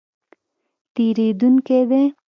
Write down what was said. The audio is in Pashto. تېرېدونکی دی